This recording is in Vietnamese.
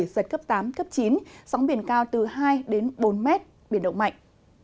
giật cấp tám cấp chín sóng biển cao từ hai đến bốn mét biển động mạnh